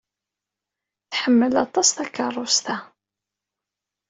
Tḥemmel aṭas takeṛṛust-a.